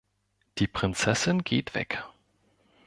Die Prinzessin geht weg.